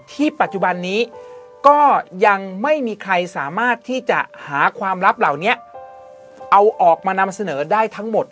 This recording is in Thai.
ปัจจุบันนี้ก็ยังไม่มีใครสามารถที่จะหาความลับเหล่านี้เอาออกมานำเสนอได้ทั้งหมด